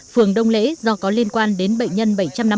phường đông lễ do có liên quan đến bệnh nhân bảy trăm năm mươi